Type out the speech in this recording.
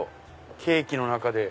ケーキの中で。